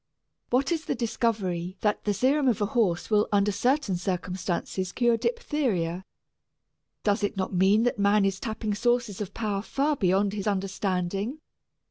What is the discovery that the serum of a horse will under certain circumstances cure diphtheria? Does it not mean that man is tapping sources of power far beyond his understanding?